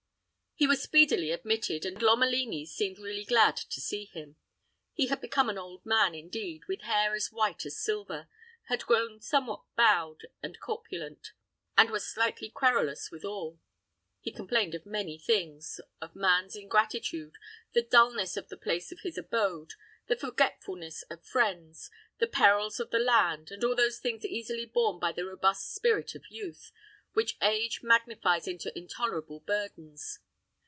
He was speedily admitted, and Lomelini seemed really glad to see him. He had become an old man, indeed, with hair as white as silver, had grown somewhat bowed and corpulent, and was slightly querulous withal. He complained of many things of man's ingratitude the dullness of the place of his abode the forgetfulness of friends the perils of the land, and all those things easily borne by the robust spirit of youth, which age magnifies into intolerable burdens.